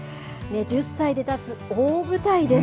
１０歳で立つ大舞台です。